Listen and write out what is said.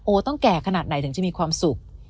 ต้องแก่ขนาดไหนถึงจะมีความสุข